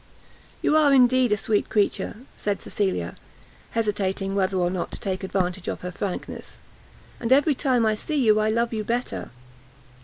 "You are indeed a sweet creature!" said Cecilia, hesitating whether or not to take advantage of her frankness, "and every time I see you, I love you better.